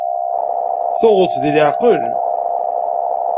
Tuɣeḍ-tt deg leɛqel?